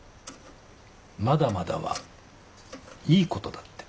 「まだまだ」はいいことだって。